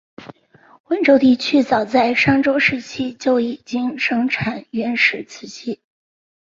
温州地区早在商周时期就已经生产原始瓷器。